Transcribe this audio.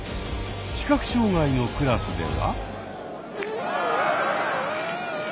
視覚障害のクラスでは。